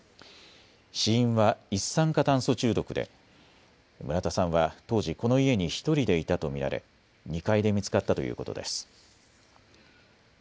死因は一酸化炭素中毒で村田さんは当時、この家に１人でいたと見られ２階で見つかったということです。